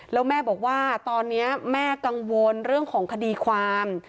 แล้วแม่บอกว่าตอนนี้แม่กังวลเรื่องของคดีความ